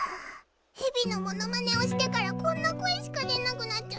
ヘビのモノマネをしてからこんな声しか出なくなっちゃった。